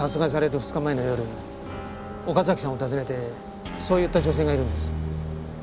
２日前の夜岡崎さんを訪ねてそう言った女性がいるんです。